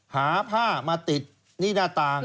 หาผ้ามาติดนี่หน้าต่าง